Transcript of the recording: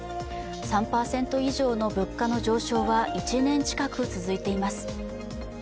３％以上の物価の上昇は１年近く続いています。